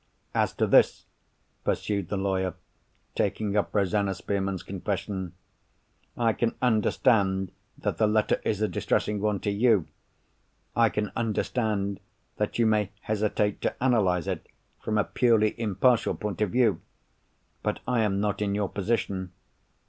"As to this," pursued the lawyer taking up Rosanna Spearman's confession, "I can understand that the letter is a distressing one to you. I can understand that you may hesitate to analyse it from a purely impartial point of view. But I am not in your position.